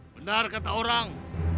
benar kata orang